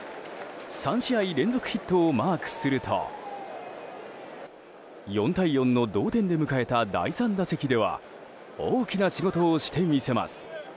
３試合連続ヒットをマークすると４対４の同点で迎えた第３打席では大きな仕事をして見せます。